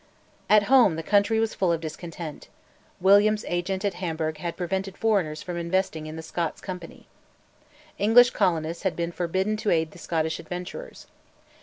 At home the country was full of discontent: William's agent at Hamburg had prevented foreigners from investing in the Scots company. English colonists had been forbidden to aid the Scottish adventurers.